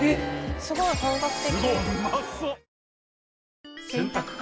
すごい本格的。